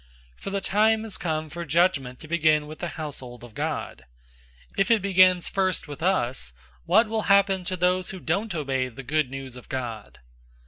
004:017 For the time has come for judgment to begin with the household of God. If it begins first with us, what will happen to those who don't obey the Good News of God?